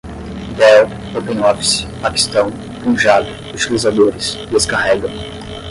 dell, openoffice, paquistão, punjab, utilizadores, descarregam